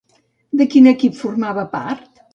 De quin equip formava part?